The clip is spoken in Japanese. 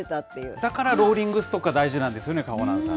だからローリングストックは大事なんですよね、かほなんさん